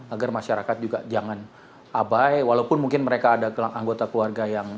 agar masyarakat juga jangan abai walaupun mungkin mereka ada anggota keluarga yang